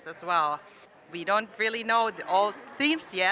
kami belum tahu tentang semua tema